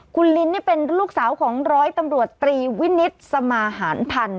คุณลินนี่เป็นลูกสาวของร้อยตำรวจตรีวินิตสมาหารพันธ์